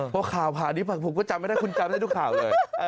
พอข่าวผ่านี้ผมก็จำไม่ได้คุณจำได้ทุกข่าวเลย